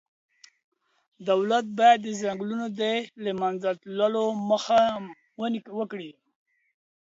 دولت باید د ځنګلونو د له منځه تللو مخنیوی وکړي.